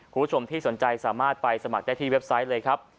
คุณผู้ชมที่สนใจสามารถไปสมัครได้ที่เว็บไซต์เลยครับ